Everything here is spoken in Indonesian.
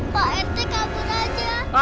pak rt kabur aja